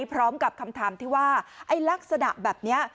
พร้อมกับคำถามที่ว่าไอ้ลักษณะแบบนี้